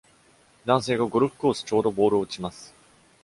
男性がゴルフコースちょうどボールを打ちます。